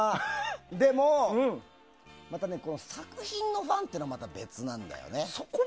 でも、作品のファンっていうのはまた別なんだよね。